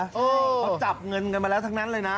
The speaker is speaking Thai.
เขาจับเงินกันมาแล้วทั้งนั้นเลยนะ